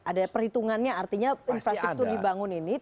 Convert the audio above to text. ada perhitungannya artinya infrastruktur dibangun ini